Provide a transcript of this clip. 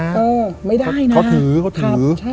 ทำไมได้นะครับใช่